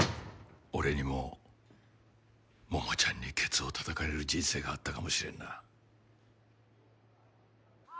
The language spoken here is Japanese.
俺にも桃ちゃんにケツをたたかれる人生があったかもしれんな。